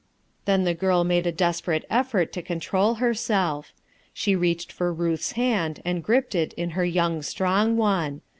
Then the girl made a desperate effort to con trol herself. She reached for Huth's hand and gripped it in her young, strong one.